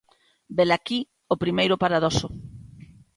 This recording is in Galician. Velaquí o primeiro paradoxo.